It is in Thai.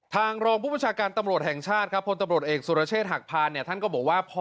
ทางรองผู้ประชาการตำรวจแห่งชาติครับ